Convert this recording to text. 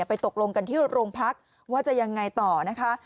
ตกลงกันที่โรงพักว่าจะยังไงต่อนะคะ